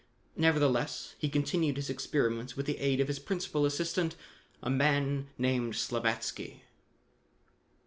Nevertheless, he continued his experiments with the aid of his principal assistant, a man named Slavatsky.